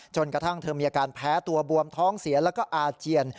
จนกระทั่งเธอมีอาการแพ้ตัวบวมท้องเสียแล้วก็อาเจียน